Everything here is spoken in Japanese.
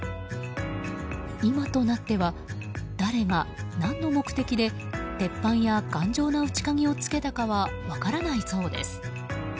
今となっては誰が何の目的で鉄板や頑丈な内鍵を付けたのかは分からないそうです。